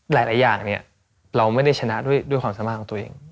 หลายอย่างเนี่ยเราไม่ได้ชนะด้วยความสามารถของตัวเอง